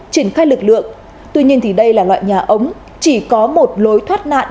triển khai lực lượng tuy nhiên thì đây là loại nhà ống chỉ có một lối thoát nạn